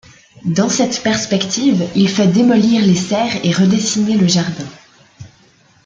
Dans cette perspective, il fait démolir les serres et redessiner le jardin.